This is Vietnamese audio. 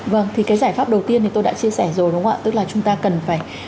vâng thì cái giải pháp đầu tiên thì tôi đã chia sẻ rồi đúng không ạ tức là chúng ta cần phải